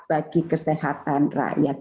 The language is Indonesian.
bagi kesehatan rakyat